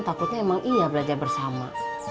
takutnya emang iya belajar bersama